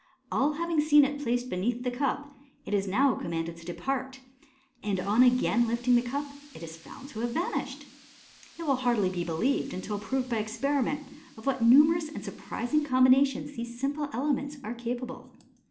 All having seen it placed beneath the cup, it is now commanded to depart, and on again lifting the cup, it is found to have vanished. It will hardly be b. lieved, until proved by experiment, of what numerous and surpris ing combinations these simple elements are capable.